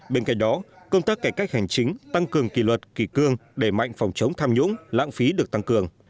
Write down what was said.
bên cạnh đó công tác cải cách hành chính tăng cường kỳ luật kỳ cương đẩy mạnh phòng chống tham nhũng lãng phí được tăng cường